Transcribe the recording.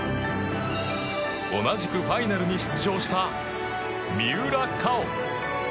同じくファイナルに出場した三浦佳生。